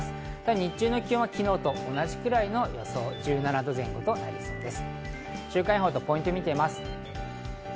日中の気温は昨日と同じくらいの予想、１７度前後となりそうです。